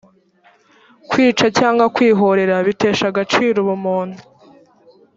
kwica cyangwa kwihorera bitesha agaciro ubumuntu